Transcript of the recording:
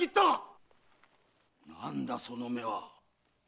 なんだその目は？